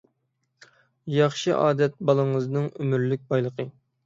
ياخشى ئادەت بالىڭىزنىڭ ئۆمۈرلۈك بايلىقى.